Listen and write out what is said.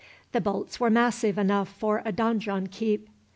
The bolts were massive enough for a donjon keep.